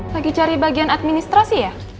lagi cari bagian administrasi ya